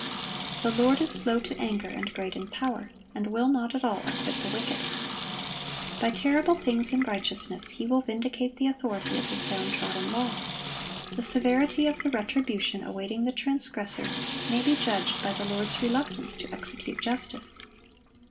"The Lord is slow to anger, and great in power, and will not at all acquit the wicked."(1073) By terrible things in righteousness He will vindicate the authority of His downtrodden law. The severity of the retribution awaiting the transgressor may be judged by the Lord's reluctance to execute justice.